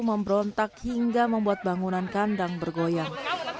memberontak hingga membuat bangunan kandang bergoyang